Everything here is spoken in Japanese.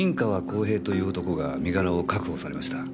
公平という男が身柄を確保されました。